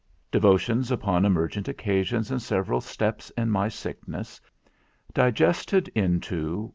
DEVOTIONS VPON Emergent Occasions and seuerall steps in my Sicknes. Digested into 1.